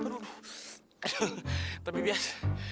aduh tapi bias